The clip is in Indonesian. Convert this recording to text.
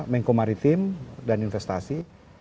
mengko maritim dan investasi